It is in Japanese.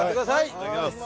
いただきます。